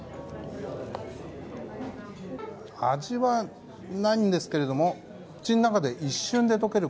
味はないんですけれども口の中で一瞬で溶ける